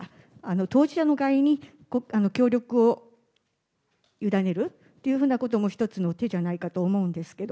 当事者の会に協力を委ねるというふうなことも一つの手じゃないかと思うんですけど。